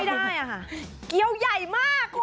กีบไม่ได้อ่ะค่ะเกี้ยวใหญ่มากคุณ